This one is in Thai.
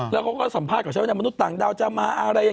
แล้วเค้าก็ถามต่างจะหมายถึงมาอะไร